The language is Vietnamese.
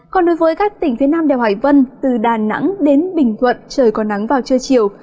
còn đối với các tỉnh phía nam đèo hải vân từ đà nẵng đến bình thuận trời có nắng vào trưa chiều